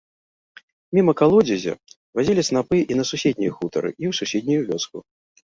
Міма калодзезя вазілі снапы і на суседнія хутары, і ў суседнюю вёску.